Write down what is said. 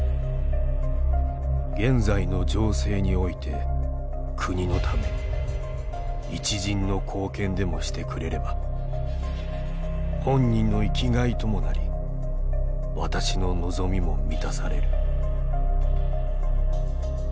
「現在の情勢において国のため一塵の貢献でもしてくれれば本人の生きがいともなり私の望みも満たされる」。